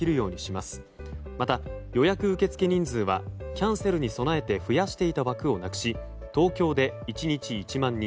また、予約受け付け人数はキャンセルに備えて増やしていた枠をなくし東京で１日１万人